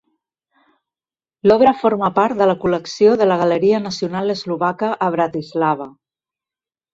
L'obra forma part de la col·lecció de la Galeria Nacional Eslovaca a Bratislava.